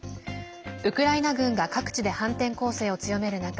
ウクライナ軍が各地で反転攻勢を強める中